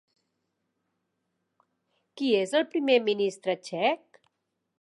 Qui és el primer ministre txec?